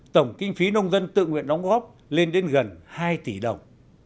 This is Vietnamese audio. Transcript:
tổng kinh phí nông dân tự nguyện đóng góp lên đến gần hai tỷ đồng